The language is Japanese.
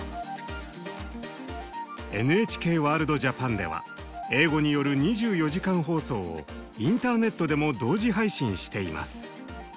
「ＮＨＫワールドＪＡＰＡＮ」では英語による２４時間放送をインターネットでも同時配信しています。